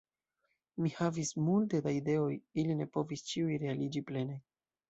Mi havis multe da ideoj ili ne povis ĉiuj realiĝi plene.